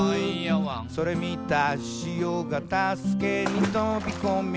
「それ見たしおが助けにとびこみゃ」